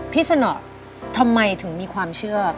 สนอทำไมถึงมีความเชื่อ